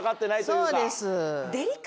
そうです。